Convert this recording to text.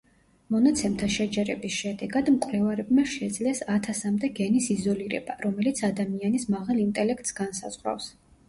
მონაცემთა შეჯერების შედეგად, მკვლევარებმა შეძლეს ათასამდე გენის იზოლირება, რომელიც ადამიანის მაღალ ინტელექტს განსაზღვრავს.